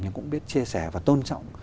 nhưng cũng biết chia sẻ và tôn trọng